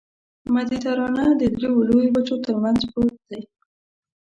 مدیترانه د دریو لویو وچو ترمنځ پروت دی.